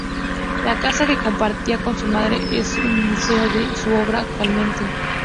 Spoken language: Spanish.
La casa que compartía con su madre es un museo de su obra actualmente.